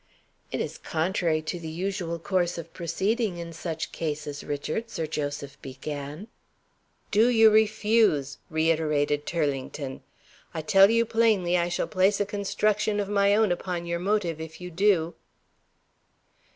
"It is contrary to the usual course of proceeding in such cases, Richard," Sir Joseph began. "Do you refuse?" reiterated Turlington. "I tell you plainly, I shall place a construction of my own upon your motive if you do."